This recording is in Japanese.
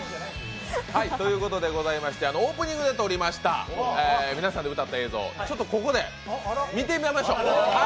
オープニングで出ておりました皆さんで歌った映像、ここで見てみましょう。